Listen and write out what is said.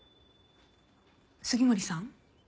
杉森さん？